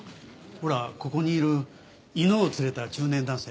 ほらここにいる犬を連れた中年男性。